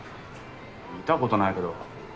見たことないけど。